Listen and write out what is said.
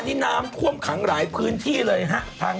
พอลาสวิทยาลัยติดีนะครับ